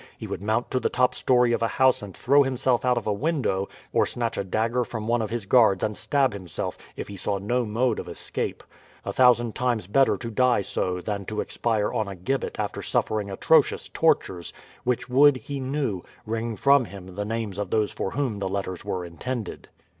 He would mount to the top story of a house and throw himself out of a window, or snatch a dagger from one of his guards and stab himself, if he saw no mode of escape. A thousand times better to die so than to expire on a gibbet after suffering atrocious tortures, which would, he knew, wring from him the names of those for whom the letters were intended.